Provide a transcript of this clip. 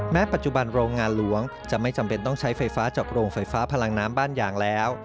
ปัจจุบันโรงงานหลวงจะไม่จำเป็นต้องใช้ไฟฟ้าจากโรงไฟฟ้าพลังน้ำบ้านยางแล้ว